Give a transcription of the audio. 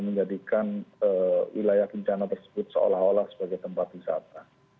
menjadikan wilayah bencana tersebut seolah olah sebagai tempat wisata